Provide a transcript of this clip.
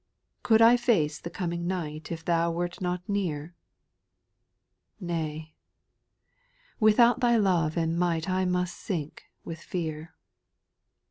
2. Could I face the coming night, If Thou wert not near ? Nay, without Thy love and might I must sink with fear.